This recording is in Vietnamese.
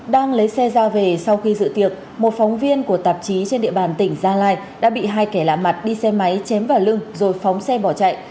đang lấy xe ra về sau khi dự tiệc một phóng viên của tạp chí trên địa bàn tỉnh gia lai đã bị hai kẻ lạ mặt đi xe máy chém vào lưng rồi phóng xe bỏ chạy